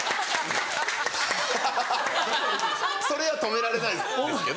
それは止められないですけど。